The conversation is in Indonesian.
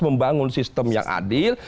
membangun sistem yang adil